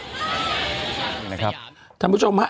นะครับท่านผู้ชมฮะ